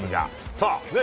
さあ、